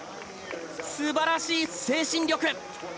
素晴らしい精神力。